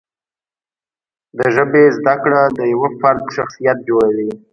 د ژبې زده کړه د یوه فرد شخصیت جوړوي.